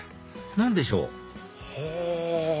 何でしょう？